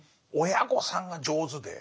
親御さんが上手で。